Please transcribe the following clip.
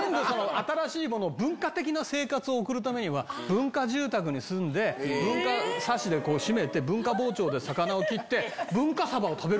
新しい、文化的な生活を送るためには、文化住宅に住んで、文化サッシで閉めて、文化包丁で魚を切って、文化サバを食べる。